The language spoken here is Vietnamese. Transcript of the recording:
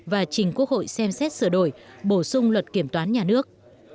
và trình quốc hội xem xét sửa đổi bổ sung luật kiểm toán nhà nước